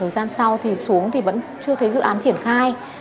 gian sau thì xuống thì vẫn chưa thấy dự án triển khai